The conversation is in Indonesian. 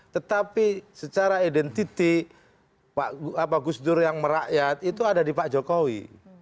tetapi secara identity gus dur yang merakyat itu ada di pak jokowi